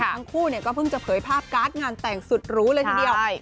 ทั้งคู่เนี่ยก็เพิ่งจะเผยภาพการ์ดงานแต่งสุดหรูเลยทีเดียว